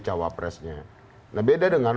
jawab presidennya nah beda dengan